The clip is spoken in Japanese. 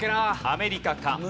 アメリカか？